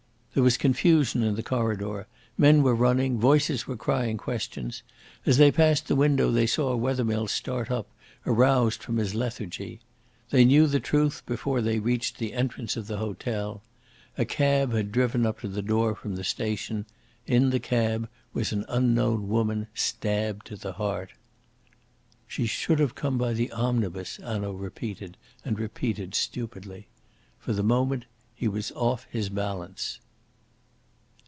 There was confusion in the corridor. Men were running, voices were crying questions. As they passed the window they saw Wethermill start up, aroused from his lethargy. They knew the truth before they reached the entrance of the hotel. A cab had driven up to the door from the station; in the cab was an unknown woman stabbed to the heart. "She should have come by the omnibus," Hanaud repeated and repeated stupidly. For the moment he was off his balance.